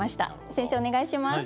先生お願いします。